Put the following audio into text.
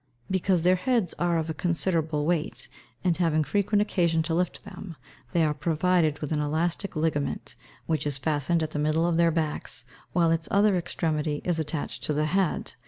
_ Because their heads are of considerable weight; and having frequent occasion to lift them, they are provided with an elastic ligament, which is fastened at the middle of their backs, while its other extremity is attached to the head.